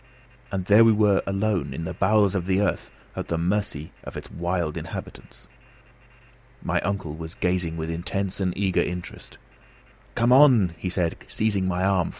And there we were alone, in the bowels of the earth, at the mercy of its wild inhabitants! My uncle was gazing with intense and eager interest. "Come on!" said he, seizing my arm.